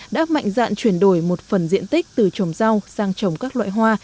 đã mạnh dạn chuyển đổi một phần diện tích từ trồng rau sang trồng các loại hoa